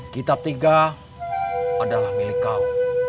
kitab tiga adalah milik kau